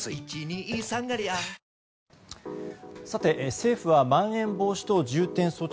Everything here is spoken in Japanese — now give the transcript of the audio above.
政府はまん延防止等重点措置